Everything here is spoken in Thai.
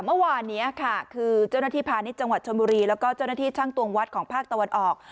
เมื่อวานนี้ค่ะคือเจ้าหน้าที่พาณิชย์จังหวัดชนบุรีแล้วก็เจ้าหน้าที่ช่างตวงวัดของภาคตะวันออก